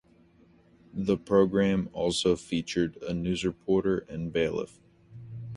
The program also featured a news reporter and bailiff.